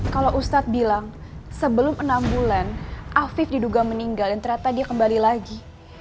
kalau ustadz bilang sebelum enam bulan afif diduga meninggal dan ternyata dia kembali lagi